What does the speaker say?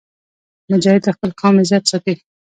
مجاهد د خپل قوم عزت ساتي.